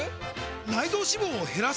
内臓脂肪を減らす！？